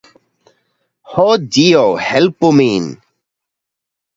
Ho Dio, helpu min!